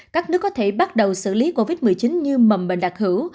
các nước có thể bắt đầu xử lý covid một mươi chín như mầm bệnh đặc hữu